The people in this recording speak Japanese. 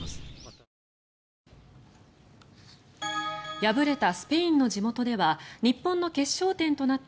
敗れたスペインの地元では日本の決勝点となった